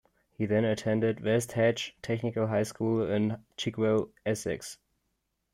He then attended West Hatch Technical High School in Chigwell, Essex.